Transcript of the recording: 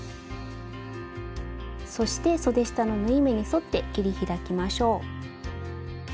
そしてそで下の縫い目に沿って切り開きましょう。